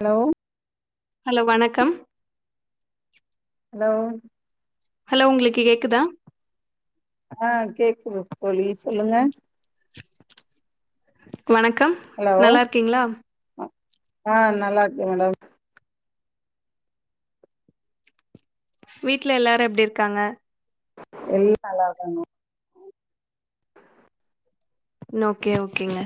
Hello hello வணக்கம் hello hello உங்களுக்கு கேக்குதா ஆ கேக்குது தோழி சொல்லுங்க [unintelligible] வணக்கம் ஹலோ நல்லா இருக்கீங்களா ஆ நல்லா இருக்க மேடம் வீட்ல எல்லாரு எப்டி இருக்காங்க எல்லா நல்லா இருக்காங்க ஓகே ஓகேங்க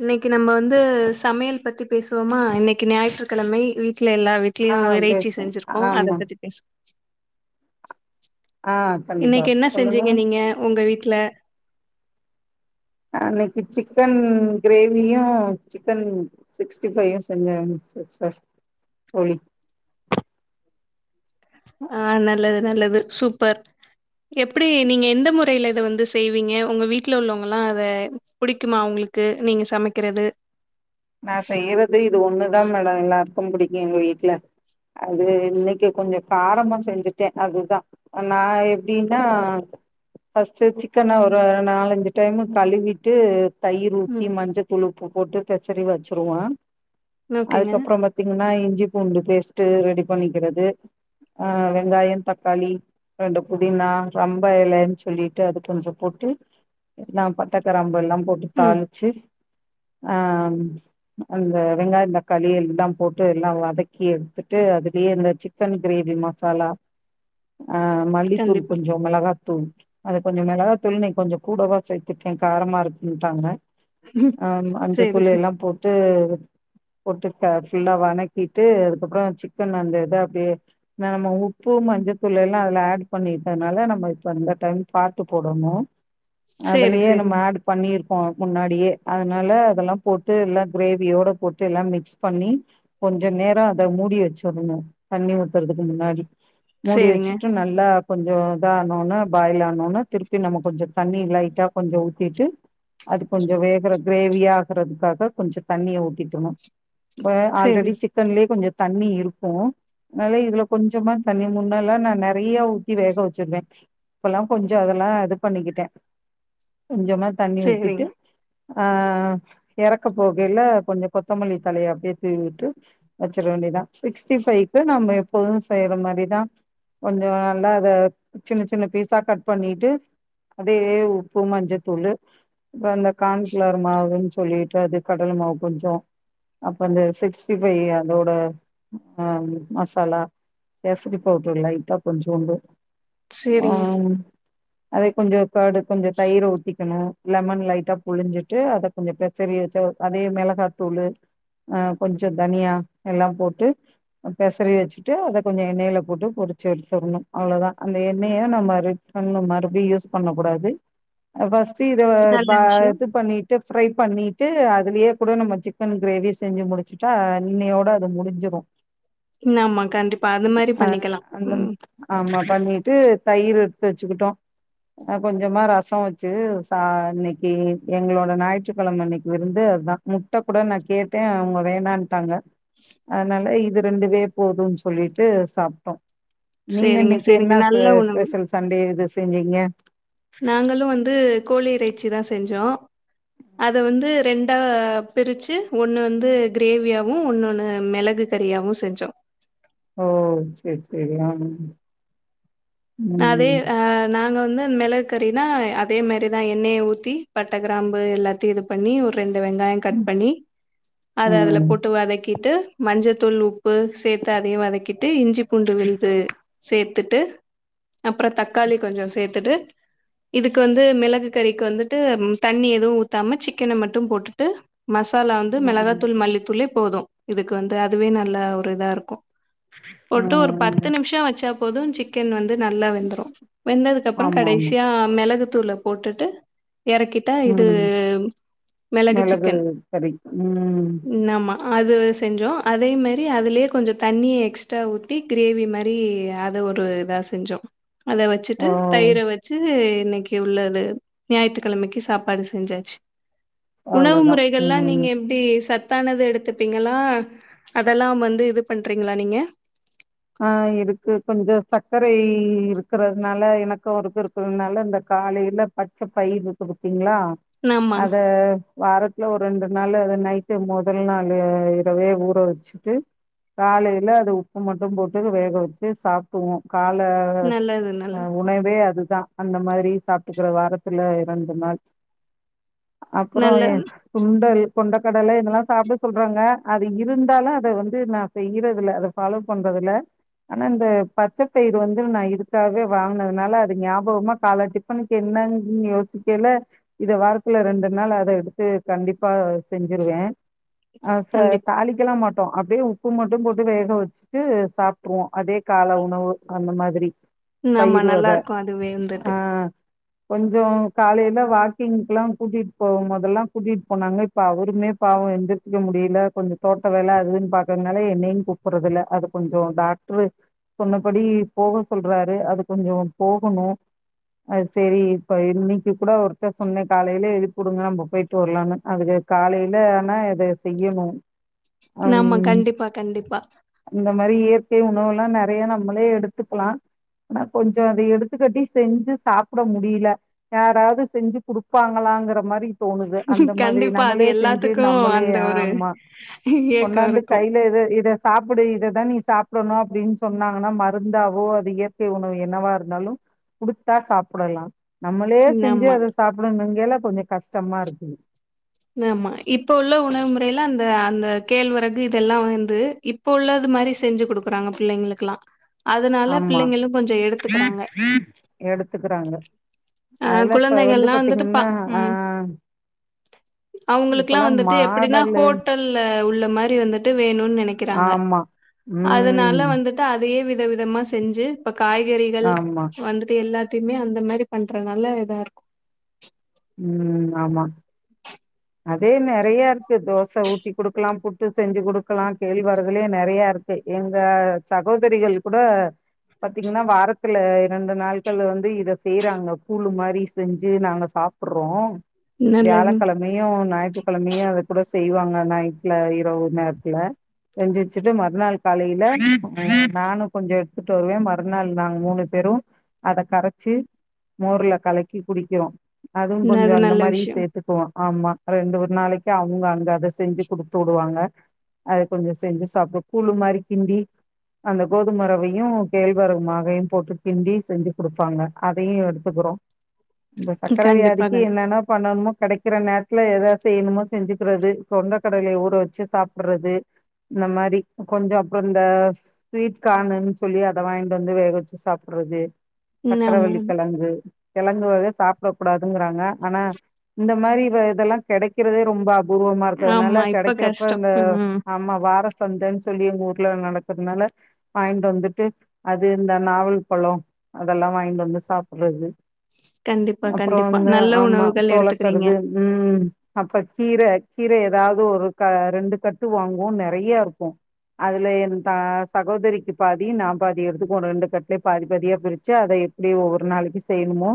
இன்னிக்கு நம்ம வந்து சமையல் பத்தி பேசுவோமா இன்னிக்கு ஞாயிற்றுக்கிழமை வீட்ல எல்லா ஆ வீட்லயு இறைச்சி பேசுவோ செஞ்சிருக்கே அத ஆமா பத்தி பேச [inaudible] ஆ கண்டிப்பா இன்னிக்கு என்ன சொல்லுங்க செஞ்சீங்க நீங்க உங்க வீட் ட்ல இன்னிக்கு சிக்கன் கிரேவியும் சிக்கன் சிக்ஸ்டிபையும் செஞ்சேன் சிஸ்டர் ஆ நல்லது நல்லது சூப்பர் எப்டி நீங்க எந்த முறைலிய இத வந்து செய்வீங்க உங்க வீட்ல உள்ளவங்கலா அத புடிக்குமா உங்களுக்கு நீங்க சமைக்கிறது நா செய்யறது இது ஒண்ணுதா மேடம் எல்லார்கு புடிக்கும் எங்க வீட்ல அது இன்னிக்கு கொஞ்ச காரமா செஞ்சுட்ட அதுதா நா எப்டின்னா பஸ்ட் சிக்கன ஒரு நாலஞ்சு டைமு கழுவிட்டு தயிர் ஊத்தி ம் மஞ்ச தூளூ [unintelligible] சரி வச்சிருவா ஓகேங்க அதுக்கபுறம் பாத்தீங்கன்னா இஞ்சி பூண்டு பேஸ்டு ரெடி பண்ணிகிறது ஹ வெங்காயம் தக்காளி ரெண்டு புதினா ரொம்ப எலனு சொல்லிட்டு அத கொஞ்ச போட்டு எல்லா பட்ட கிராம்பு லா போட்டு ம் தாளிச்சு ஹ அந்த வெங்காயம் தக்காளி எல்லாம் போட்டு எல்லாம் வதக்கி எடுத்துட்டு அதுலயே இந்த சிக்கன் கிரேவி மசாலா ஆஹ் மல்லித்தூள் கண்டிப்பா கொஞ்சம் மிளகா தூள் அது கொஞ்ச மிளகா தூள் நீ கொஞ்சம் கூடவா சேர்த்துட்டேன் காரமா இருக்குட்டாங்க ம் ஆஹ் மஞ்ச சேரி தூள் சேரி எல்லா போட்டு போட்டு ஃபுல்லா வனக்கிட்டு அதுக்கப்புறம் சிக்கன் அந்த இது அப்டியே நம்ம உப்பு மஞ்ச தூள் எல்லா அதுல ஆட் பண்ணிட்டனால நம்ம இப்ப இந்த டைம் பாத்து போடணு சேரி அதுலயே நம்ம சேரிங்க ஆட் பண்ணிருக்கோ முன்னாடியே அதனால அதெல்லாம் போட்டு எல்லாம் கிரேவியோட போட்டு எல்லா மிக்ஸ் பண்ணி கொஞ்ச நேரம் அத மூடி வெச்சுடனு தண்ணி ஊத்துறதுக்கு முன்னாடி மூடி சேரிங்க வெச்சுட்டு நல்லா கொஞ்ச இதா பாயில் ஆனோனே திருப்பி நம்ம கொஞ்ச தண்ணி லைட்டா கொஞ்ச ஊத்திட்டு அது கொஞ்சம் வேகறது கிரேவியாக்கறதுக்காக ப்ப கொஞ்சம் தண்ணியை உத்திகினும் சேரி ஆல்ரெடி சிக்கன்லயே கொஞ்சம் தண்ணி இருக்கும் அதனால இதுல கொஞ்சமா தண்ணி முன்ன எல்லாம் நான் நிறைய ஊத்தி வேக வச்சிருவேன் இப்பல்லாம் கொஞ்சம் அதெல்லாம் இது பண்ணிக்கிட்டேன் கொஞ்சமா தண்ணி ஊத்திட்டு சேரிங்க ஆஹ் இறக்க போகையில் கொஞ்சம் கொத்தமல்லி தலையை அப்படியே தூவிட்டு வச்சிட வேண்டியதான் சிக்ஸ்டி ஃபைவ்கு நம்ம எப்போதும் செய்யிற மாதிரி தான் கொஞ்சம் நல்லா அதை சின்ன சின்ன பீஸாக கட் பண்ணிட்டு அதே உப்பு மஞ்சத்தூள் அப்புறம் அந்த கார்ன்ஃளர் மாவுன்னு சொல்லிட்டு அது கடலை மாவு கொஞ்சம் அப்ப அந்த சிக்ஸ்டிை் பைவ் அதோட மசாலா கேசரி பவுடர் லைட்டா கொஞ்சம் உண்டு சரிங்க அதை கொஞ்சம் அதோட கொஞ்சம் தயிரை ஊத்திக்கணும் லெமன் லைட்டா புழஞ்சிட்டு அதை கொஞ்சம் பே செரி வச்ச அதே மிளகாத்தூள் கொஞ்சம் தனியா எல்லாம் போட்டு பெசறி வச்சுட்டு அதை கொஞ்சம் எண்ணெயில போட்டு பொரிச்சு எடுத்துக்கணும் அவ்வளோதான் அந்த எண்ணெயை நம்ம மறுபடியும் யூஸ் பண்ணக்கூடாது பஸ்ட் இத நல்ல விஷயம். இது பண்ணிட்டு ஃப்ரை பண்ணிட்டு அதுலயே கூட நம்ம சிக்கன் கிரேவி செஞ்சு முடிச்சுட்டா இன்னையோட அது முடிஞ்சிரும் ம் ஆமா கண்டிப்பா அது மாதிரி பண்ணிக்கலாம் அந்த உம் ஆமா பண்ணிட்டு தயிர் எடுத்து வச்சுக்கிட்டோம் கொஞ்சமா ரசம் வச்சு ச இன்னைக்கு எங்களோட நா ங்கட்கிழமை அன்னைக்கு விருந்து அதுதான் முட்டை கூட நான் கேட்டேன் அவங்க வேண்டான்ட்டாங்க அதனால இது ரெண்டு போதும்ன்னு சொல்லிட்டு சாப்பிட்டோம் நீங்க சேரிங்க இன்னைக்கு சேரிங்க. என்ன நல்ல உணவு. ஸ்பெஷல் சண்டே இது செஞ்சீங்க வச்சி தான் செஞ்சோம் அத வந்து ரெண்டா பிரிச்சு ஒண்ணு வந்து கிரேவியாவும் ஒண்ணு ஒண்ணு மிளகு கறியாவும் செஞ்சோம் ஓ சரி சரி ஆஹ அதே அஹ நாங்க வந்து மிளகு கறினா அதே மாரிதான் எண்ணெய ஊத்தி பட்டை கிராம்பு எல்லாத்தையும் இது பண்ணி ஒரு ரெண் டு வெங்காயம் கட் ம் பண்ணி அதஅதுல ம் போட்டு வதக்கி கிட்டு மஞ்சள்த்தூள் உப்பு சேர்த்து அதையும் வதக்கிட்டு விட்டு இஞ்சி பூண்டு விழுது சே பத்துட்டு அப்புறம் தக்காளி கொஞ்சம் சேர்த்துட்டு இதுக்கு வந்து மிளகு கறிக்கு வந்துட்டு தண்ணி எதுவும் ஊத்தாம சிக்கன மட்டும் போட்டுட்டு மசாலா வந்து மிளகா ம் தூள் மல்லித்தூளே போது இதுக்கு வந்து அதுவே நல்ல ஒரு இதா இருக்கு போட்டு ஒரு பத்து நிமிஷம் வச்சா போதும் சிக்கன் வந்து நல்லா வெந்துரு வெந்ததுக்கு அப்புறோ ஆமா ஆமா கடைசியா மிளகு தூள போட்டுட்டு எறக்கிட்டா இது ம் மெளகு மிளகு சிக்கன் கறி ம் ம் ஆமா அது செஞ்சோ அதே மாரி அதுலயே கொஞ்ச தண்ணிய எக்ஸ்ட்ரா ஊத்தி கிரேவி மாரி அத ஒரு இதா செஞ்சோ அத வச்சிட்டு ஓ தயிர வச்சு இன்னைக்கு உள்ளது ஞாயிற்றுக்கிழமைக்கு சாப்பாடு செஞ்சாச்சு உணவு அவ்ளோதா முறைகள்ல்லா ம் நீங்க எப்டி சத் தானது எடுத்துப்பீங்களா அதெல்லாம் வந்து இது பண்றீங்களா நீங்க ஆஹ் இருக்கு கொஞ்ச சக்கரை இருக்கறதுனால எனக்கு அவருக்கு இருக்கறதுனால இந்த காலையில பச்ச பயிறு இருக்கு பாத்தீங்களா ஆமா அத வாரத்துல ஒரு ரெண்டு நாள் அது நைட்டு மொதல் நாள் இரவே ஊற வச்சுட்டு காலையில அது உப்பு மட்டு போட்டு வேக வச்சு சாப்புடுவோ கால நல்லது நல்லது. உணவே அதுதா அந்த மாரி சாப்பிட்டுக்கிற வாரத்துல ரண்டு நாள் அப்பற நல்ல ஏ சுண்டல் கொண்டைக்கடலை இதெல்லா சாப்பட சொல்றாங்க அது இருந்தாலு அத வந்து நா செய்யறதுல்ல அத ஃபாலோ பண்றதுல ஆனா இந்த பச்சபயிறு வந்து நா இதுக்காகவே வாங்குனதுனால அது ஞாபகமா கால டிஃபனுக்கு என்னங்னு யோசிக்கல இத வாரத்துல ரெண்டு நாள் அத எடுத்து கண்டிப்பா செஞ்சிருவே ஆஹ் ச கண்டிப் தாளிக்கலா மாட் டோ அப்படியே உப்பு மட்டும் போட்டு வேக வெச்சு வந்து சாப்பிட்ருவோம் அதே கால உணவு அந்த மாதிரி நாமா பயிர் நல்லா இருக்கும் அதுவே வந்துட்டு கொஞ்சம் காலையில வாக்கிங்க்குல்லாம் கூட்டிட்டு போகும் போதெல்லாம் கூட்டிட்டு போனாங்க இப்ப அவருமே பாவம் எந்திரிச்சிக்க முடியல கொஞ்சம் தோட்ட வேலை அதுன்னு பாக்குறதனால என்னையும் கூப்பறதுயில்ல அது கொஞ்சம் டாக்டரு சொன்னபடி போக சொல்றாரு அது கொஞ்சம் போகணும் அது சேரி இப்ப இன்னைக்கு கூட ஒருத்தர் சொன்னேன் காலையில எழுப்புடுங்க நம்ம போயிட்டு வரலானு அதுக்கு காலையில ஆனா இத செய்யணும் ஆமா கண்டிப்பா கண்டிப்பா அந்த மாரி இயற்கை உணவு எல்லாம் நெறைய நம்மளே எடுத்துக்கலாம். ஆனா கொஞ்சம் அதை எடுத்துக்கட்டி செஞ்சு சாப்பிட முடியல யாராவது செஞ்சு குடுப்பாங்களாங்கிற மாரி தோணுது அந்த மாதிரி கண்டிப்பா அது நம்மளே செஞ்சு எல்லாத்துக்கும் நம்மளே அந்த ஒரு ஆமா இயக்கம் கொண்டாந்து இருக்கும். கையில எத இத சாப்பிடு இதைதான் நீ சாப்பிடணும் அப்படின்னு சொன்னாங்கன்னா மருந்தாவோ அது இயற்கை உணவு என்னவா இருந்தாலும் குடுத்தா சாப்பிடலாம் நம்மளே செஞ்சு ஆமா. அதை சாப்பிடணும் எல்லாம் கொஞ்சம் கஷ்டமா இருக்குது ஆமாம் இப்ப உள்ள உணவு முறையில அந்த அந்த கேழ்வரகு இதெல்லாம் வந்து இப்ப உள்ளது மாதிரி செஞ்சு குடுக்குறாங்க பிள்ளைங்களுக்கலாம் ஆமா எடுத்துக்கறாங்க. ஆ அதுல இப்ப வந்து குழந்தைகள்லா வந்துட்டு பா பாத்தீங்கன்னா ஆஹ் அவங்களுக்குல்லாம் வந்துட்டு எப்படின்னா ஹோட்டல்ல உள்ள மாரி வந்துட்டு வேணும்னு நெனைக்கிறாங்க ஆமா. ம். அதனால வந்துட்டு அத விதவிதமாக செஞ்சு ப காய்கறிகள் ஆமா. வந்துட்டு எல்லா துமே அந்த மாரி பண்றனால இதா இருக்கு உம் ஆமா அதே நறைய தோசை ஊத்தி குடுக்கலாம் பு ட்டு செஞ்சு கொடுக்கலா கேள்வர்களே நிறைய இருக்கு எங்க சகோதரிகள் கூட பாத்தீங்கன்னா வாரத்துல இரண்டு நாட்கள் வந்து இத செய்யறாங்க கூழு மாரி செஞ்சு நாங்க சாப்பிடுறோ நல்லது ஞாயிற்றுக்கிழமையையு அத கூட செய்வாங்க நைட்டுல இருரவுது நேரத்துல செஞ்சு வச்சுட்டு மறுநாள் காலையில நானு கொஞ்சோ எடுத்துட்டு வருவ மறுநாள் நாங்க மூணு பேரு அத கரைச்சி மோர்ல கலக்கி குடிக்கிறோ அதுவு கொஞ்சோ அது அந்த நல்ல மாரியு விஷயோ சேர்த்துக்குவோ ஆமா ரெண்டு ஒரு நாளைக்கு அவங்க அங்க அத செஞ்சு குடுத்து விடுவாங்க அத கொஞ்சோ செஞ்சு சாப்பிடு கூழு மாதிரி கிண்டி அந்த கோதுமறவையு கேழ்வரகு மாகையு போட்டு கிண்டி செஞ்சு கொடுப்பாங்க அதையு எடுத்துக்கறோ இந்த சக்கர கண்டிப்பா வியாதிக்கு கண்டிப்பா என்னன்ன பண்ணணுமோ கடைக் சில நேரத்துல எதாவ செ ய்யணுமோ செஞ்சுக்கிறது கொண்ட கடயில ஊற வச்சு சாப்பிடுறது இந்த மாரி கொஞ்சோ அப்ரோ இந்த ஸ்வீட் கானுன்னு சொல்லி அத வாங்கிட்டு வந்து வேக வச்சு சாப்பிடறது ம் ஆமா சக்கரவள்ளி ஆமா கிழங்கு கிழங்கு வக சாப்ட கூடாதுங்கறாங்க ஆனா இந்த மாரி வ இதெல்லா கிடைக்கிறதே ரொம்ப உருவமா இருக்ரதுனால ஆமா இப்ப கிடைக்கிறப்ப கஷ்டோ இந்த ம் ஆமா வார வந்தேன்னு சொல்லி எங்க ஊர்ல நடக்கிறதுனால வாங்கிட்டு வந்துட்டு அது இந்த நாவல் பழ அதெல்லா வாங்கிட்டு வந்து சாப்பிடுறது கண்டிப்பா கண்டிப்பா நல்ல உணவுகள் எடுத்துக் றது உம் அப்ப கீர கீர ஏதாவது ஒரு க ரெண்டு கட்டு வாங்குவோ நறைய இருக்கு அதுல என் தா சகோதரிக்கு பாதி நா பாதி எடுத்துக்குவோ ரெண்டு கட்லயே பாதி பாதி பிரிச்சு அத எப்படி ஒவ்வொரு நாளைக்கு செய்யணுமோ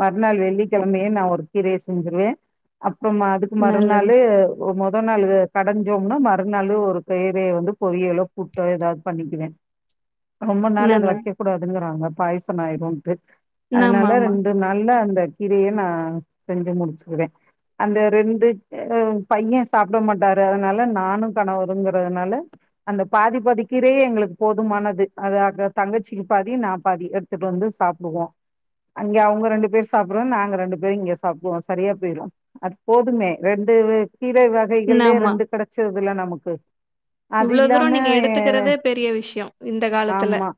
மறுநாள் வெள்ளிக்கிழமையே நா ஒரு கீரைய செஞ்சருவ அப் அப்புறமா அதுக்கு நல்லது, மறுநாலே த நாலு கடைஞ்சோம்னா மறுநள் ஒரு கீரையை வந்து பொரியலோ கூகட்டோ ஏதாவது பண்ணிக்குவேன் ரொம்ப நாள இதை நல்லது. வைக்க கூடாதுங்கிறாங்க பய்சனாய்ரு டெ ஆமா, அனால ஆமா, ரெண்டு நாள்ள அந்த இதயேன்னா செஞ்சு முடிச்சுகுவே அந்த ரெண்டு ஆஹ் பேரு பைய சாப்ட மாட்டாரு அதனால நானு கணவருங்குறதுனால அந்த பாதி பாதி கீரயே எங்களுக்கு போதுமானது அது அக தங்கச்சிக்கு பாதி நா பாதி எடுத்துட்டு வந்து சாப்டுவோ அங்க அவுங்க ரெண்டு பேர் சாப்புறோ நாங்க ரெண்டு பேரு இங்கஸ் சாப்டுவோ சரியா பொய்ரு அது போதுமே ரெண்டு வே கீர வகைகள்லே ஆமா. ரெண்டு கெடச்சிரதுல்ல நமக்கு அது இவ்ளோ இல்லாம தூரம் நீங்க ஏ வெ எடுத்துக்கிறதே பெரிய விஷயம். இந்த காலத்துல. ஆமா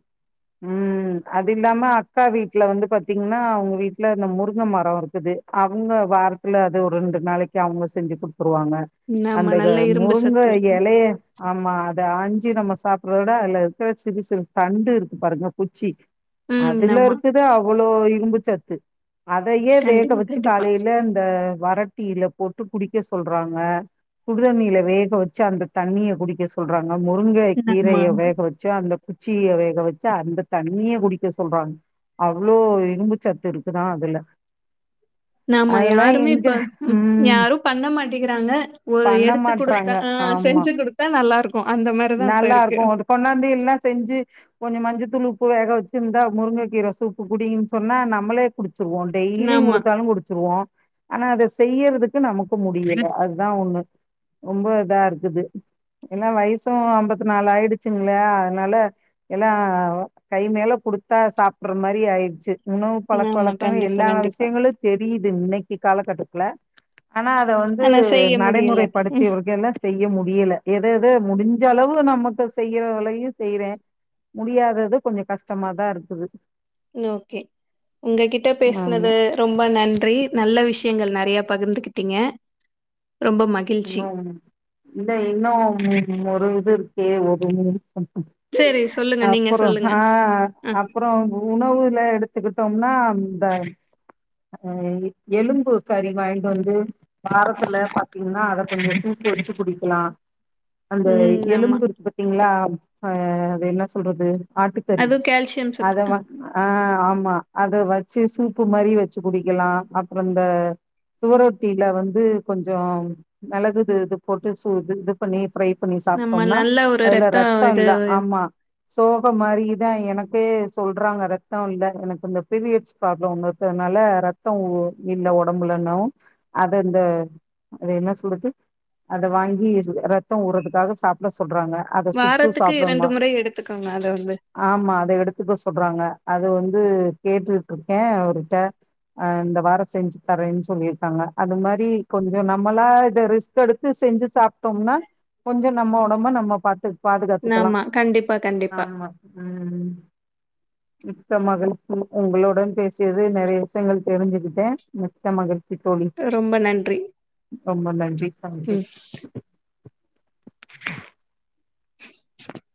உம் அதில்லாம கா வீட்ல வந்து பாத்தீங்ன்னா அவுங்க வீட்ல இந்த முருங்க மரோ இருக்குது அவுங்க வாரத்துல அது ஒரெண்டு நாளைக்கு அவுங்க செஞ்சு குடு துருவாங்க ஆமா அந்த க நல்ல இரும்பு முருங்க சத்து இருக்கும். எலைய ஆமா அத ஆஞ் சி நம்ம சாப்புறவிட அல்ல இருக்க சிறு சிறு தண்டு இருக்கு பாருங்க குச்சி ம் ஆமா. அதுலருக்குது அவ்வளோ இ ம்புச்சத்து அதயே வேக கண்டிப்பா, வச்சு கண்டிப்பா. காலேல இந்த வர டீ லப் போட்டு குடிக்க சொல்றாங்க சுடுதண்ணில வேகவச்சு அந்த தண்ணிய குடிக்க சொல்றா ங்க முருங்கை ஆமா, கீரைய ஆமா. வேக வச்சு அந்த கு ச்சிய வேக வச்சு அந்த தண்ணிய குடிக்க சொல்றாங்க அவ்ளோ இரும்பு சத்து இருக்குதா அதுல நாமா அதெல்லா யாருமே எங்க இப்ப ம் யாரும் பண்ண மாட் டிகுறாங்க ஒரு பண்ண எடுத்து குடுத்தா ஆ செஞ்சு குடுத்தா நல்லாரூ நல்லாருக்கூ அது‌ கொண்னாந்து எல்லா செஞ்சு கொஞ்ச மஞ்சத்தூள் உப்பு வேக வச்சு இந்தா முருங்க கீர சூப்பு குடிங்கன் சொன்னா நம்மளே குடுச் சுர்வோ டெய்லியு ஆமா, குடுத்தாலு குடுச்சுருவோ ஆனா அதஸ் செய்யறதிக்கு நமக்கு முடியல அதா ஒண்ணு ரொம்ப தா இருக்குது எல்லா வைஸ் ஸூ அம்பத்து நால் ஆயிடுச்சுங்ளா அதனால எல்லா கை மேல குடுத்தா சாப்ட்ற மாரி ஆய்ட்ச்சு உணவு பழக்க ஆமா. வழக்கங் கண்டிப்பா, எல்லா கண்டிப்பா. விஷயங்களு தெரியிது இன்னை க் காலகட்டத்ல ஆனா அத வந்து ஆனா செய்ய முடியல. ம் நடைமுறைப்படுத்தியவர்கெல்லா செய்ய முடியல எத எத முடுஞ் சளவு நமக்கு செய்யற் வேலையு செய்றே முடியாதது கொஞ்சொ கஷ்டமாதா இருக்குது ஓகே உங்ககிட்ட ஆமா பேசுனது ரொம்ப நன்றி நல்ல விஷ்யங்கள் ந றையா பகிர்ந்துகிட்டீங்க இன்னும் இந்த இன்னும் ஒரு இது இருக் ஏ ஒரு சரி [unintelligible] சொல்லுங்க. நீங்க அப்பறோ ஹ சொல்லுங்க. அ. அப்றோ உணவுல எடுத் கத்துக்கிட்டோம்னா இந்த எலும்பு கறி வாய்ன்ட்டு வந்து வாரத்தில ப பின்னா அத கொஞ்சோ தூக்கி வச்சு குடிக்கலா அந்த ம். ஆமா. எலும்பிர்க்கு பாத்தீங்ளா ஆ அது என்ன சொல்றது ஆட்டுக்கறி அதுவும் கால்சியம் சத்து. அத அ வந் ஆ ஆமா அத வச்சு சூப்பு மாரி வச்சு குடிக்கலா அப்றோ இந்த சுவரொட்டில வந்து கொஞ் யாம் மெளகிது இது போட்டு ஸ் சூது இது பண்ணீர் ஃபரை பண்ணி நம்ம சாப்டோம்னா நல்ல ஒரு அதுல ரத்தம் ரத்தோ இது இல்ல ஆமா சோக மாரிதான் எனக்கே சொல்றாங்க ரத்தம் இல்ல எனக்கு இந்த பீரியட்ஸ் ப்ராப்ளம் ஒண்ணனால ரத்தம் இல்ல உடம்புலன்னும் அதது இந்த அது என்ன சொல்லரது அதை வாங்கி ரத்தம் ஊறதுக்காக சாப்ட சொல்ற ல்ற அத சுட்டு வாரத்துக்கு சாப்புடநுமா முறை எடுத்துக்கோங்க அத வந்து. ஆமா அத எடுத்துக்க சொல்றாங்க அதை வந்து கேட்டுட்டு இருக்கேன் அவருட்ட இந்த வாரம் செஞ்சு தரேன்னு சொல்லியிருக்காங்க அது மாரி கொஞ்சம் ஞம் நம்மளா இதை ரிஸ்க் எடுத்து செஞ்சு சாப்ட்டோம்னா கொஞ்சம் நம்ம உடம்ப நம்ம பாத்து பாதுகாத்துக்கெலாம் ஆமா. கண்டிப்பா, கண்டிப்பா. ஆமா உம் மிக்க மகிழ்ச்சி உங்களுடன் பேசியது நிறைய விஷயங்கள் தெரிஞ்சுக்கிட்டேன் மிக்க மகிழ்ச்சி தோழி. ரொம்ப நன்றி ரொம்ப நன்றி தாங் ம். யூ [inaudible] [inaudible]